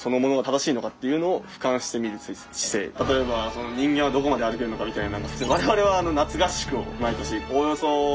例えば人間はどこまで歩けるのかみたいな。